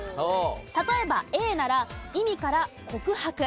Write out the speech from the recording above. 例えばＡなら意味からこくはく。